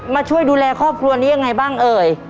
มาช่วยดูแลครอบครัวนี้ยังไงบ้างเอ่ย